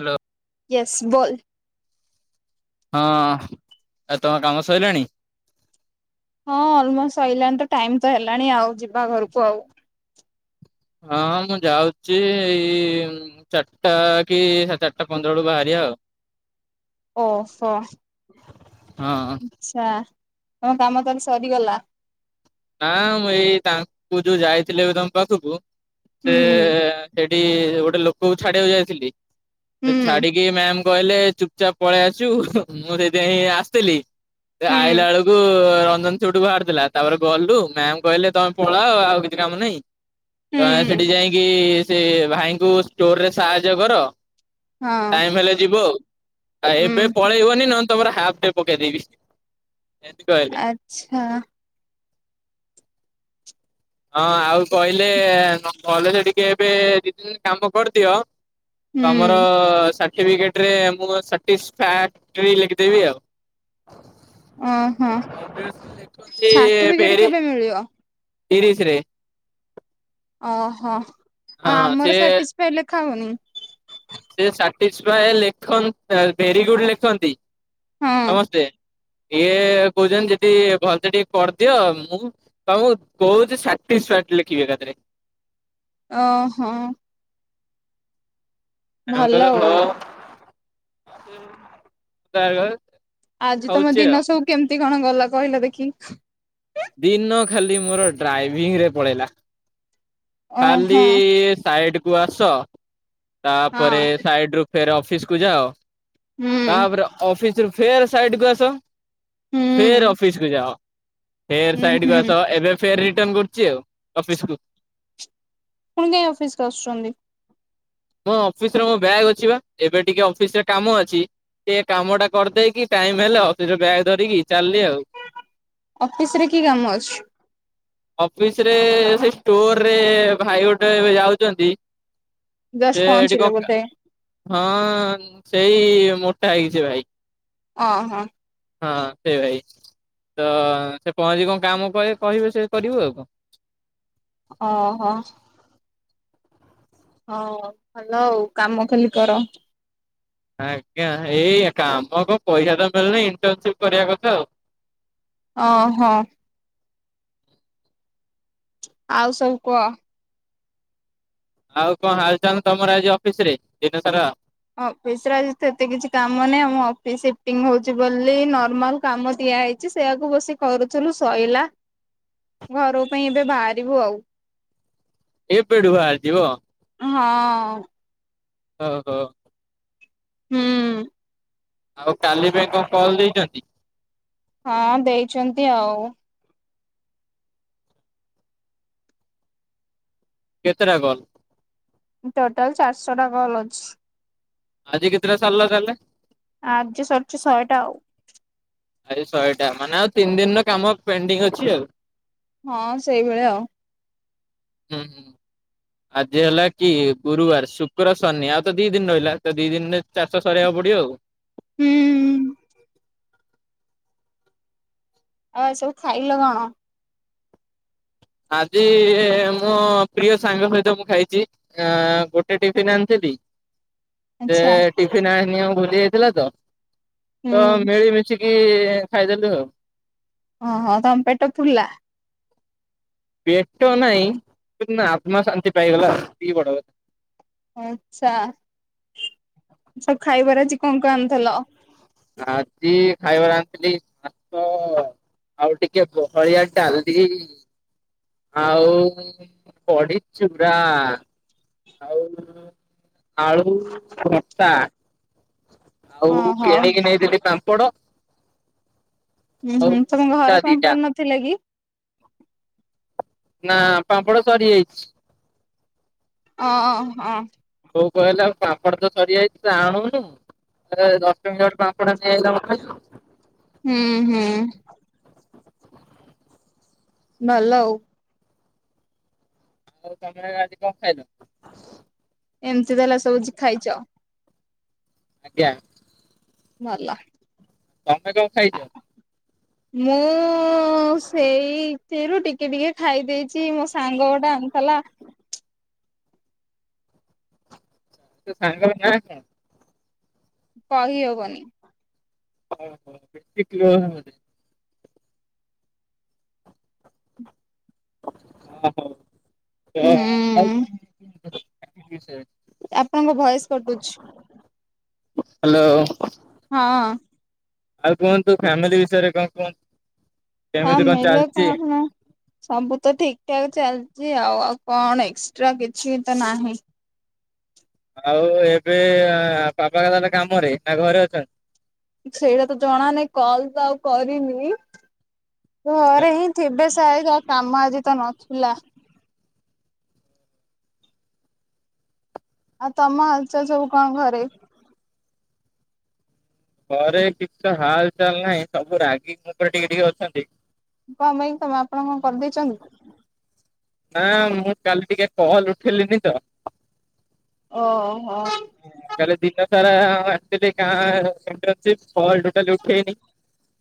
Hello. Yes ବୋଲ। ହଁ ଏ ତମ କାମ ସଇଲାଣି? ହଁ ଅଲମୋଷ୍ଟ ସଇଲାଣି ତ ଟାଇମ୍ ତ ହେଲାଣି ଆଉ ଯିବା ଘରକୁ ଆଉ। ହଁ ହଁ ମୁଁ ଯାଉଛି ଏଇ ଚାରିଟା କି ସାଢେ ଚାରିଟା ପନ୍ଦର ବେଳୁ ବାହାରିଆ ଆଉ। ଓ ହୋ। ହଁ। ଆଚ୍ଛା ତମ କାମ ତାହେଲେ ସରିଗଲା? ନା ମୁଁ ଏଇ ତାଙ୍କୁ ଯୋଉ ଯାଇଥିଲି ଏବେ ତମ ପାଖକୁ ହୁଁ ସେ ହୁଁ ଦେ ଠି ଯୋଉ ଗୋଟେ ଲୋକକୁ ଛାଡିଆକୁ ଯାଇଥିଲି ସେଠି ହୁଁ। ଛାଡିକି ମ୍ୟାମ୍ ଆଉ ମୁଁ କହିଲେ ଚୁପ୍ ଚାପ୍ ପଳେଇ ଆସିବୁ ମୁଁ ମୁଁ ସେଇଥିପାଇଁ ଆସୁଥିଲି ସେ ହୁଁ ଆଇଲା ବେଳକୁ ରଞ୍ଜନ ସେଉଠୁ ବାହାରି ଥିଲା ତାପରେ ଗଲୁ ମ୍ୟାମ୍ କହିଲେ ତମେ ପଳାଅ ଆଉ କିଛି କାମ ନାହିଁ ତ ଆମେ ହୁଁ ସେଠି ଯାଇଁକି ସେ ଭାଇଙ୍କୁ ଷ୍ଟୋର ରେ ସାହାଯ୍ୟ କର। ହଁ ଟାଇମ୍ ହେଲେ ଯିବ ଆଉ ଆଉ ହୁଁ ଏବେ ପଳେଇବନି ନହେଲେ ତମର ହାପ୍ ଡେ ପକେଇ ଦେବି ଏନ୍ତି କହିଲେ। ଆଚ୍ଛା। ହଁ ଆଉ କହିଲେ କ କଲେଜ ଟିକେ ଏବେ ଦି ଦିନ କାମ କରିଦିଅ ତମର ହୁଁ। ସା ଠି ପିକେଟ ରେ ମୁଁ ସାଟିସ୍ ସ୍ଫାଏଡେ ଲେଖିଦେବି ଆଉ। ଓହୋ ଇଂଲିଶ ରେ ଲେଖନ୍ତି ସାର୍ଟିଫିକେଟ ଭେରି କେବେ ମିଳିବ? ତିରିଶି ରେ। ଓ ହୋ ଆଉ ହଁ ସେ ଆମର ସାଟିସ୍ ସ୍ଫାଏଡେ ଲେଖା ହଉନି? ସେ ସାଟିସ୍ ସ୍ଫାଏଡେ ଲେଖନ ଭେରି ଗୁଡ୍ ଲେଖନ୍ତି ହଁ ସମସ୍ତେ। ଇଏ କହୁଛନ୍ତି ଯେଦି ଭଲସେ ଟିକେ କରିଦିଅ ମୁଁ- ତ ମୁଁ ବହୁତ୍ ସାଟିସର୍ଫାଏଡ ଲେଖିବି ଏକାଥରେ। ଓହୋ! ଭଲ ଆଉ [unintelligible] ଆଜି ତମ ହଉଛି ଆଉ। ଦିନ ସବୁ କେମିତି କଣ ଗଲା କହିଲ ଦେଖି। ଦିନ ଖାଲି ମୋର ଡ୍ରାଇଭିଂ ରେ ପଳେଇଲା। ଖାଲି ଓହୋ ସାଇଡ କୁ ଆସ ହଁ ତାପରେ ସାଇଡ ରୁ- ଫେର୍ ଅଫିସ୍ କୁ ଯାଅ ହୁଁ ତାପରେ ଅଫିସ୍ ରୁ ଫେର୍ ସାଇଡ୍ କୁ ଆସ- ହୁଁ ଫେର୍ ଅଫିସକୁ ଯାଅ। ଫେର୍ ହୁଁ ସାଇଡ୍ କୁ ହୁଁ ଆସ ଏବେ ଫେର୍ ରିଟର୍ନ କରୁଛି ଆଉ ଅଫିସ୍ କୁ। ପୁଣି କାଇଁ ଅଫିସ୍ କୁ ଆସୁଛନ୍ତି? ମୋ ଅଫିସ୍ ରେ ମୋ ବ୍ୟାଗ୍ ଅଛି ବା ଏବେ ଟିକେ ଅଫିସ୍ ରେ କାମ ଅଛି। ସେ କାମ ଟା କରିଦେଇକି ଟାଇମ୍ ହେଲେ ଅଫିସ୍ ରୁ ବ୍ୟାଗ ଧରିକି ଚାଲିଲି ଆଉ। ଅଫିସ୍ ରେ କି କାମ ଅଛି? ଅଫିସ୍ ରେ ସେ ଷ୍ଟୋରରେ ଭାଇ ଗୋଟେ ଏବେ ଯାଉଛନ୍ତି- ସେ ଜଷ୍ଟ ଏଠି କ ପହଞ୍ଚିଲେ ବୋଧେ ହଁ ସେଇ ମୋଟା ହେଇକି ସେ ଭାଇ। ଓ ହଁ ହଁ ସେଇ ଭାଇ ତ ସେ ପହଞ୍ଚି କଣ କାମ କହି କହିବେ ସେ କରିବୁ ଆଉ। ଓହୋ ହଁ ଭଲ ଆଉ କାମ ଖାଲି କର। ଆଜ୍ଞା ଏଇ କାମ କ ପଇସା ତ ମିଳୁନି ଇଣ୍ଟର୍ନସିପ୍ କରିବା କଥା ଆଉ। ଓହୋ ଆଉ ସବୁ କୁହ! ଆଉ କଣ ହାଲ୍ ଚାଲ୍ ତମର ଆଜି ଅଫିସ୍ ରେ ଦିନ ସାରା! ଅଫିସ୍ ରେ ଆଜି ସେତେ କିଛି କାମ ନାହିଁ ଆମ ଅଫିସ୍ ସିଫ୍ଟିଂ ହଉଛି ବୋଲି ନର୍ମାଲ କାମ ଦିଆ ହେଇ। ଛି ସେଆକୁ ବସି କରୁଥିଲୁ ଶୋଇଲା- ଘର ପାଇଁ ଏବେ ବାହାରିବୁ ଆଉ। ଏବେଠୁ ବାହାରିଯିବ! ହଁ। ଓ ହୋ। ହୁଁ। ଆଉ କାଲି ପାଇଁ କଣ କଲ୍ ଦେଇଛନ୍ତି? ହଁ ଦେଇଛନ୍ତି ଆଉ। କେତେଟା କଲ୍? ଟୋଟାଲ୍ ଚାର୍ଶହ ଟା କଲ୍ ଅଛି। ଆଜିି କେତେଟା ସାରିଲ ତାହେଲେ? ଆଜି ସରିଛ ଶହେଟା ଆଉ। ଆଜି ଶହେଟା ମାନେ ଆଉ ତିନି ଦିନର କାମ ପେଣ୍ଡିଙ୍ଗ ଅଛି ଆଉ। ହଁ ସେଇଭଳିଆ ଆଉ। ହୁଁ ହୁଁ ଆଜି ହେଲା କି ଗୁରୁବାର ଶୁକ୍ର ଶନି ଆଉ ତ ଦି ଦିନ ରହିଲା ତ ଦି ଦିନରେ ଚାରିଶ ସରେଇବାକୁ ପଡିବ ଆଉ। ହୁଁ- ଆଉ ଆଜି ସବୁ ଖାଇଲ କଣ? ଆଜି ମୋ ପ୍ରିୟ ସାଙ୍ଗ ସହିତ ମୁଁ ଖାଇଛି- ଅ ଗୋଟେ ଟିଫନ୍ ଆଣିଥିଲି- ଯେ ଆଚ୍ଛା ଟିଫିନ୍ ଆଣିନି ଆଉ ଭୁଲି [unintelligible] ଥିଲା ତ, ତ ହୁଁ ମିଳିମିଶି କି-ଇଁ ଖାଇଦେଲୁ ଆଉ। ଓଁ ହ ତମ ପେଟ ପୁଲ୍ଲା? ପେଟ ନାଇଁ! [unintelligible] ଆତ୍ମା ଶାନ୍ତି ପାଇଗଲା, ସେତିକି ବଡ କଥା। ଆଚ୍ଛା, ସ ଖାଇବାର ଆଜି କଁ କଁ ଆନ୍ ଥେଲ? ଆଜି-ଇ ଖାଇବାର ଆନ୍ ଥିଲି ଭାତ-ଅ। ଆଉ ଟିକେ ବହଳିଆ ଡାଲି-ଇ। ଆଉ-ଉ ବଡି ଚୁରା, ଆଉ -ଉ ଆଳୁ ଭର୍ତା। ଆଉ ଓହୋ କିଣିକି ନେଇଥିଲି ପାମ୍ପଡ଼। ଉଁ, ହୁଁ, ତମ ଘରେ ପାମ୍ପଡ ନଥିଲା କି? ନାଁ ପାମ୍ପଡ ସରିଯାଇଛି। ଅ- ହଁ। ବୋଉ କହିଲା ଆଉ ପାମ୍ପଡ ତ ସରିଯାଇଚି, ତୁ ଆଣୁନୁ। ସେ ଦଶ ଟଙ୍କିଆ ଗୋଟେ ପାମ୍ପଡ ନେଇ ଆଇଲା, ଆମେ ଖାଇଲୁ। ହୁଁ, ହୁଁ। ଭଲ ଅଉ। [unintelligible] କଁ ଖାଇଲ? ଏମିତି ତାହେଲେ ସବୁଜି ଖାଇଚ! ଆଜ୍ଞା। ଭଲ। ତମେ କଁ ଖାଇଚ? ମୁଁ ଉଁ-ଉଁ-ଉଁ ସେଇ ଥିରୁ ଟିକେ ଟିକେ ଖାଇ ଦେଇଚି, ମୋ ସାଙ୍ଗ ଗୋଟେ ଆଣଥିଲା। ସେ ସାଙ୍ଗର ନାଁ କଣ? କହି ହବନି। ଓହ, ବେଶୀ କ୍ଲୋ [unintelligible] ଅ ହୁଁ ହଉ [unintelligible] ସେ। ଆପଣଙ୍କ ଭଏସ୍ କଟୁଛି। ହ୍ୟାଲୋ। ହଁ। ଆଉ କୁହନ୍ତୁ, ଫ୍ୟାମିଲି ବିଷୟରେ କଁ କୁଅଁନ୍? ଫ୍ୟାମିଲ୍ଲେ କଣ! ସବୁ ତ ଠିକ୍ ଠାକ୍ ଚାଲିଚି ଆଉ, ଆଉ କଣ ଏକ୍ସଟ୍ରା କିଛି ତ ନାହିଁ? ଆଉ ଏବେ ଆଁ [unintelligible] ତାହେନେ କାମରେ ନା ଘରେ ଅଛନ୍ତି? ସେଇଟା ତ ଜଣାନାଇ, କଲ୍ ତ ଆଉ କରିନି! ଘରେ ହିଁ ଥିବେ ସାଏଦ! ଆଉ କାମ ଆଜି ତ ନଥିଲା। ଆଉ, ତମ ହାଲ୍ ଚାଲ୍ ସବୁ କଣ ଘରେ? ଘରେ କିଛ ତ ହାଲ୍ ଚାଲ୍ ନାହିଁ, ସବୁ ରାଗିକି ମୋ ଉପରେ ଟିକେ ଟିକେ ଅଛନ୍ତି। କଣ ପାଇଁ? ତମେ ଆପଣ କଣ କରିଦେଇଚନ୍ତି? ନାଁ, ମୁଁ କାଲି ଟିକେ କଲ୍ ଉଠେଇଲିନି ତ! ଓହ! କାଲି ଦିନ ସାରା-ଆଁ ଆସିିଥିଲି ଗାଁ [unintelligible] କଲ୍ ଟୋଟାଲି ଉଠେଇନି।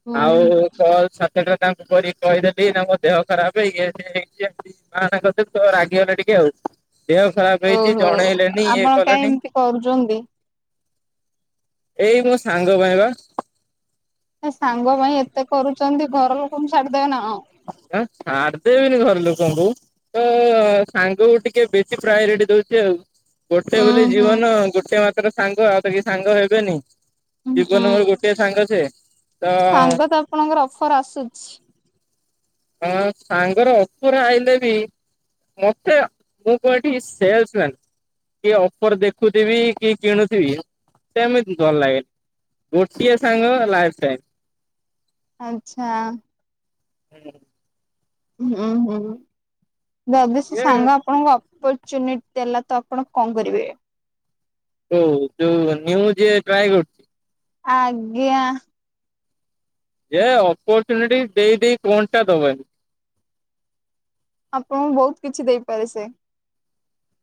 ହୁଁ ହୁଁ। ଆଉ କଲ୍ ସାତ ଟା ତାଙ୍କୁ କରି କହିଦେବି, ନା ମୋ ଦେହ ଖରାପ ଇଏ ସିଏ ହେଇଚି [unintelligible] ମାନେ ତାଙ୍କର [unintelligible] ତ ରାଗିଗଲେ ଟିକେ ଆଉ, ଦେହ ଖରାପ ହେଇଚି ଜଣେଇଲେନି ଇଏ କଲେନି। କରୁଚନ୍ତି। ଏଇ ମୋ ସାଙ୍ଗ ପାଇଁ ପା। ଏ ସାଙ୍ଗ ପାଇଁ ଏତେ କରୁଚନ୍ତି ଘର ଲୋକଙ୍କୁ ଛାଡିଦେବେ ନା କଣ? [unintelligible] ମାରି ଦେବିନି ଘରେ ଲୋକଙ୍କୁୁ। ତ ସାଙ୍ଗକୁ ଟିକେ ବେଶୀ ପ୍ରାୟେରିଟି ଦଉଛି ଆଉ। ଗୋଟେ ଉଁ ବୋଲି ହୁଁ ଜୀବନ, ଗୋଟେ ମାତ୍ର ସାଙ୍ଗ ଆଉ ତ କେହି ସାଙ୍ଗ ହେବେନି। ଉଁ ଉଁ ଜୀବନରେ ମୋର ଗୋଟଏ ସାଙ୍ଗ ସେ, ତ ସାଙ୍ଗ ତ ଆପଣଙ୍କର ଅଫର୍ ଆସୁଛି। ହଁ ସାଙ୍ଗର ଅଫର ଆଇଲେ ବି ମତେ, ମୁଁ କଣ ଏଠି ସେଲ୍ସ ମ୍ୟାନ୍? କି ଅଫର୍ ଦେଖୁଥିବି କି କିଣୁଥିବି, ସେମିତି ଭଲ ଲାଗେ ଗୋଟିଏ ସାଙ୍ଗ ଲାଇଫଟାଇମ୍। ଆଚ୍ଛା। [inaudible] ହୁଁ, ହୁଁ, ଯଦି ସେ ଇଏ ସାଙ୍ଗ ଆପଣଙ୍କୁ ଅ ଅପ୍ପରଚୁନିଟ୍ ଦେଲା ତ ଆପଣ କଣ କରିବେ? ଯୋଉ ଯୋଉ ନିୟମ ଯିଏ ଟ୍ରାଏ କରୁଛି ଆଜ୍ଞା। ଯେ ଅପ୍ପରଚୁନିଟି ଦେଇ ଦେଇ କଁଅଟା ଦବେ? ଆପଣଙ୍କୁ ବହୁତ କିଛି ଦେଇପାରେ ସେ।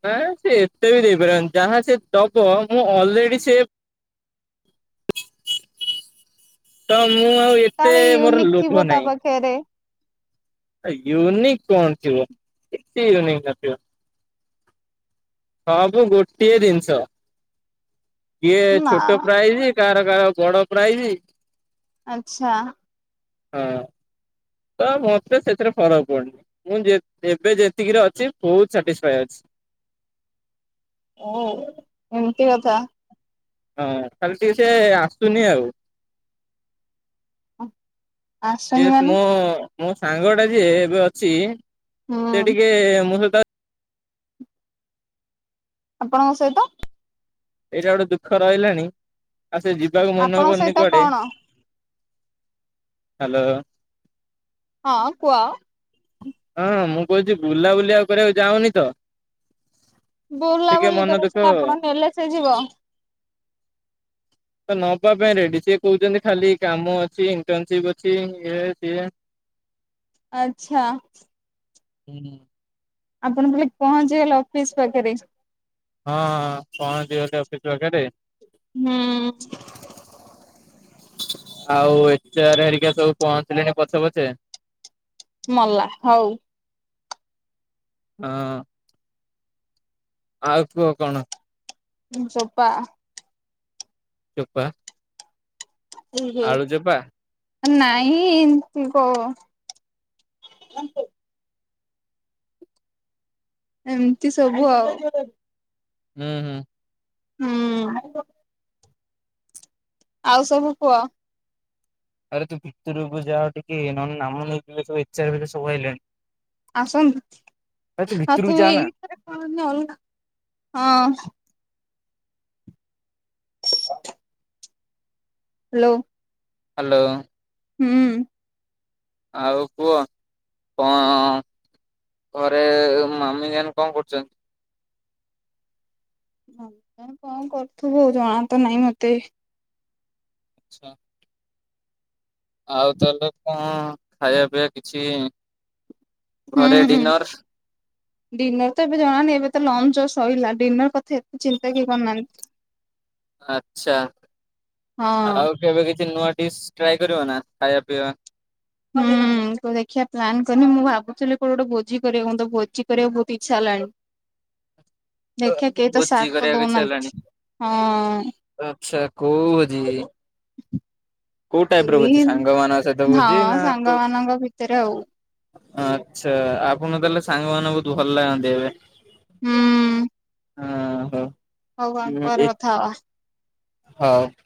ନା ସେ ଏତେ ବି ଦେଇପାରିବନି ଯାହା ସେ ଦବ ମୁଁ ଅଲରେଡ଼ି ସେ ତ ମୁଁ ଆଉ ଏତେ ମୋର ଲୋଭ ନାହିଁ। ଫେରେ? ଏ ୟୁନିକ୍ କଣ ଥିବ, ଏତେ ୟୁନିକ୍ ନଥିବ। ସବୁ ଗୋଟିଏ ଜିନିଷ। କିଏ ନା ଛୋଟ ପ୍ରାଇଜ୍, କାହାର କାହାର କାହାର ବଡ ପ୍ରାଇଜ। ଆଚ୍ଛା। ହଁ, ତ ମତେ ସେଥିରେ ଫରକ ପଡୁନି। ମୁଁ ଯେ ଏବେ ଯେତିକିରେ ଅଛି ବହୁତ ସାଟିସ୍ଫାଏ ଅଛି। ଓ ଏମିତି କଥା। ହଁ ଖାଲି ଟିକେ ସେ ଆସୁନି ଆଉ। [inaudible] ଆସୁନି ଏସ୍ ମାନେ ମୋ, ମୋ ସାଙ୍ଗଟା ଯିଏ ଏବେ ଅଛି ସେ ହୁଁ ଟିକେ ମୋ ସହିତ ଆପଣଙ୍କ ସହିତ? ଏଇଟା ଗୋଟେ ଦୁଃଖ ରହିଲାଣି ଆଉ ସେ ଯିବାକୁ ମନ ଆପଣଙ୍କ କରୁନି ସହିତ କୁଆଡେ। କଣ ହାଲୋ। ହଁ କୁହ? ହଁ ମୁଁ କହୁଛି ବୁଲାବୁଲି ଆଉ କରିବାକୁ ଯାଅନି ତ? ବୁଲା ଟିକେ ବୁଲି ମନ କରିବ ଦୁଃଖ ସିନା ଆପଣ ନେଲେ ସେ ଯିବ। ତ ନବା ପାଇଁ ରେଡି, ସିଏ କହୁଛନ୍ତି ଖାଲି କାମ ଅଛି ଇଣ୍ଟନ୍ନସିପ୍ ଅଛି ଇଏ ସିଏ। ଆଚ୍ଛା। [inaudible] ଆପଣ ବୋଲି ପହଞ୍ଚିଗଲେ ଅଫିସ୍ ପାଖେରେ। ହଁ ପହଁଚି ଗଲି ଅଫିସ ପାଖରେ। ହୁଁ। ଆଉ ଏଚେ ଆର ହେରିକା ସବୁ ପହଁଞ୍ଚିଲେଣି ପଛେ ପଛେ। ମଲା ହଉ। ହଁ। ଆଉ କୁହ କଣ? ହଁ ଚୋପା। ଚୋପା। ଉ ହୁଁ। ଆଳୁ ଚୋପା ନାହିଁ କ। ଏମିତି ସବୁ ଆଉ। ଉ ହୁଁ। ହୁଁ ହାଲୋ। ଆଉ ସବୁ କୁ ଅ? ଆରେ ତୁ ଭିତୁରୁକୁ ଯାଅ ଟିକେ ନ ନେ ନାମ ନେଇ ତୁ ଏଚାର ସବୁଆଇଲେଣି। ଆସନ୍ତୁ ଆଉ ଭିତରକୁ ତୁ ଯା ନା ଏଇଥେରେ କଣଅଲଗା ହଁ ହାଲୋ। ହାଲୋ। ହୁଁ। ଆଉ କୁହ କଣ ଘରେ ମାମିଜାନ କଣ କରୁଛନ୍ତି? ମମିତାରକଣ କରୁଥିବ ଜଣା ତ ନାଇଁ ମତେ। ଆଛା। ଆଉ ତାହେଲେ କଣ ଖାଇବା ପିଇବା କିଛି ଘରେ ହୁଁ। ଡିନର? ଡିନର ତ ଏବେ ଜଣାନାଇ ଏବେ ତ ଲଞ୍ଚ ସରିଲା ଡିନର କଥା ଏତେ ଚିନ୍ତା କିଏ କରିନାହାନ୍ତି। ଆଛା ହଁ ଆଉ କେବେ କିଛି ନୂଆ ଡିସ୍ ଟ୍ରାଏ କରିବ ନା ଖାଇବା ପିଇବା ହୁଁ। ଦେଖିବା ପ୍ଲାନ୍ କନି ମୁଁ ଭାବୁଥିଲି କୋଉ ଗୋଟେ ଭୋଜି କରିବ ମୁଁ ତ ଭୋଜି କରିବାକୁ ବହୁତ ଇଚ୍ଛା ହେଲାଣି। ଦେଖ୍ଯା କେହି ତ ସାତ ଭୋଜି ତ କରିବା ଦୋଉନାନ୍ତି ହଁ। ଆଛା କୋଉ ଭୋଜି? କୋଉ ଟାଇପ ର ଭୋଜି ଏଇ ସାଙ୍ଗମାନାନଙ୍କ ସହିତ ଭୋଜି ହଁ ନା ସାଙ୍ଗ କୋଉ ମାନଙ୍କ ଭିତରେ ଆଉ ଆଚ୍ଛା ଆପଣ ତାହେଲେ ସାଙ୍ଗ ମାନେ ବହୁତ ଭଲ ଲାଗନ୍ତି ଏବେ। ହୁଁ। ହଁ ହୋ। ହଉ ଆମ ପରେ କଥା ହବା। ହଉ।